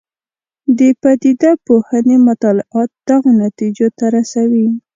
د پدیده پوهنې مطالعات دغو نتیجو ته رسوي.